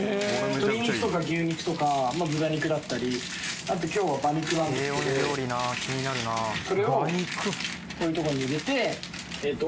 鶏肉とか牛肉とか豚肉だったりあと今日は馬肉なんですけどそれをこういうとこに入れてえっと